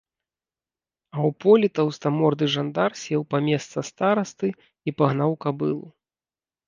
А ў полі таўстаморды жандар сеў па месца старасты і пагнаў кабылу.